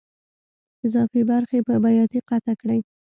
اضافي برخې په بیاتي قطع کړئ.